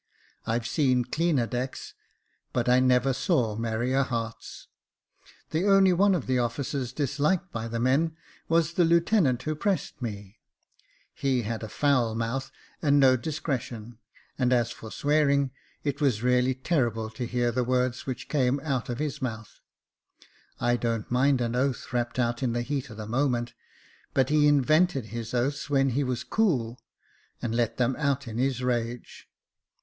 I've seen cleaner decks, but I never saw merrier hearts. The only one of the officers disliked by the men was the lieutenant who pressed me ; he had a foul mouth and no discretion ; and as for swearing, it was really terrible to hear the words which came out of his mouth. I don't mind an oath rapped out in the heat of the moment, but he in vented his oaths when he was cool, and let them out in his rage.